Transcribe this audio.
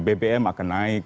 bbm akan naik